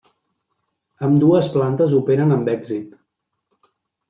Ambdues plantes operen amb èxit.